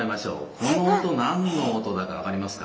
この音何の音だか分かりますか？